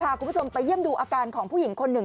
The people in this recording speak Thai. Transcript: คุณผู้ชมไปเยี่ยมดูอาการของผู้หญิงคนหนึ่ง